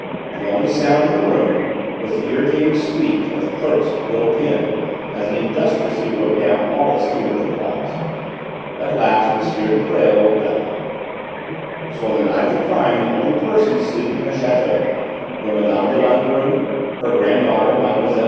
The only sound in the room was the irritating squeak of the clerk's quill pen, as he industriously wrote down all the steward's replies. At last M. de Presles looked up. "So, on the night of the crime the only persons sleeping in the château were Mme. de Langrune, her granddaughter Mlle.